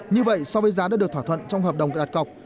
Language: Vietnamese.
như vậy so với giá đã được thỏa thuận trong hợp đồng đặt cọc